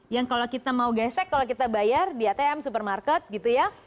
yang kalau kita mau gesek kalau kita bayar di atm supermarket gitu ya